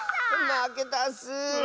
まけたッス！